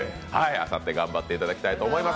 あさって、頑張っていただきたいと思います。